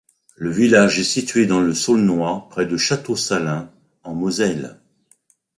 Le village est situé dans le Saulnois, près de Château-Salins, en Moselle.